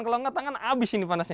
kalau nggak tangan habis ini panasnya